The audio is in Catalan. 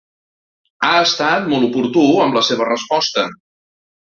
Ha estat molt oportú amb la seva resposta.